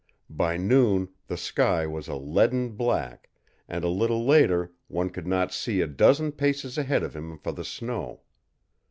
By noon the sky was a leaden black, and a little later one could not see a dozen paces ahead of him for the snow.